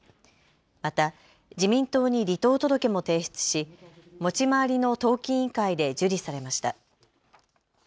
また自民党に離党届も提出し持ち回りの党紀委員会で受理されました。